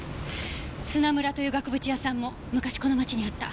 砂村という額縁屋さんも昔この町にあった。